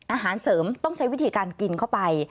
อาหารเสริมต้องใช้วิธีการกินเข้าไป